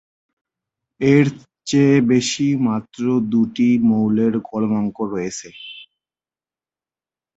এর চেয়ে বেশি মাত্র দুটি মৌলের গলনাঙ্ক রয়েছে।